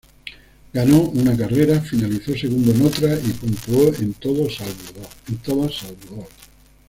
Ganó una carrera, finalizó segundo en otra y puntuó en todas salvo dos.